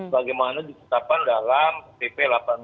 bagaimana ditetapkan dalam pp delapan belas